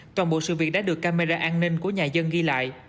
toàn bộ sự việc đã được camera an ninh của nhà dân ghi lại